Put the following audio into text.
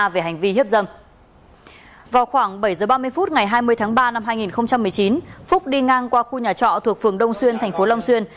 vào khoảng bảy h ba mươi phút ngày hai mươi tháng ba năm hai nghìn một mươi chín phúc đi ngang qua khu nhà trọ thuộc phường đông xuyên thành phố long xuyên